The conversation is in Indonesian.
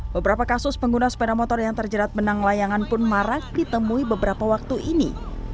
beberapa kasus pengguna sepeda motor yang terjerat benang layangan pun marak ditemui beberapa waktu ini